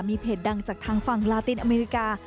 มีเพจดังจากทางฝั่งลาตินอเมริกา